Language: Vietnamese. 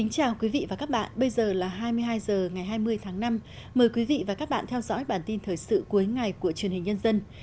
chào mừng quý vị đến với bản tin thời sự cuối ngày của truyền hình nhân dân